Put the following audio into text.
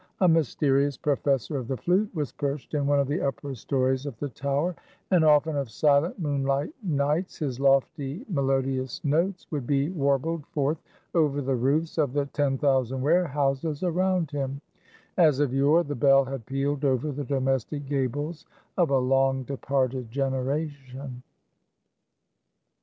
A mysterious professor of the flute was perched in one of the upper stories of the tower; and often, of silent, moonlight nights, his lofty, melodious notes would be warbled forth over the roofs of the ten thousand warehouses around him as of yore, the bell had pealed over the domestic gables of a long departed generation.